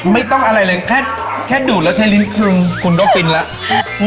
ไม่ต้องอะไรเลยแค่ดูดแล้วใช้ลิ้นครึงคุณก็ฟินแล้ว